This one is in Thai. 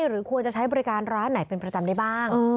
หรือควรจะใช้บริการร้านไหนเป็นประจำได้บ้าง